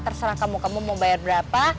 terserah kamu kamu mau bayar berapa